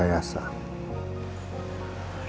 hanya fitnah dan rekayasa